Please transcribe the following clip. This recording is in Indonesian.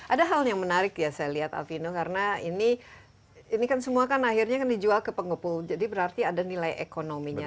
ada hal yang menarik ya saya lihat alvino karena ini ini kan semua kan akhirnya kan dijual ke pengepul jadi berarti ada nilai ekonominya